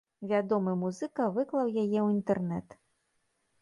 Вядомы музыка выклаў яе ў інтэрнэт.